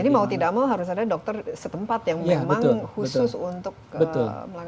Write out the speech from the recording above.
jadi mau tidak mau harus ada dokter setempat yang memang khusus untuk melakukan